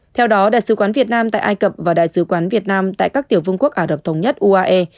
theo đó đại sứ quán việt nam tại ai cập và đại sứ quán việt nam tại các tiểu vương quốc ả rập thống nhất uae